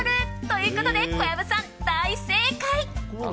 ということで小籔さん、大正解！